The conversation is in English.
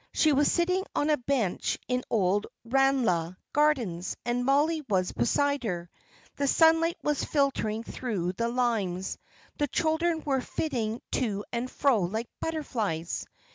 She was sitting on a bench in Old Ranelagh gardens, and Mollie was beside her. The sunlight was filtering through the limes, the children were flitting to and fro like butterflies.